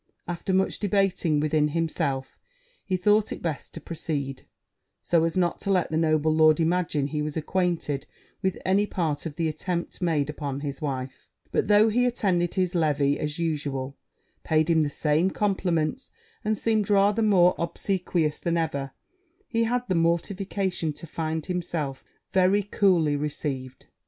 After much debating with himself, he thought it best to proceed so as not to let the noble lord imagine he was acquainted with any part of the attempt made upon his wife; but, though he attended his levee as usual, and seemed rather more obsequious than ever, he had the mortification to find himself very coolly received.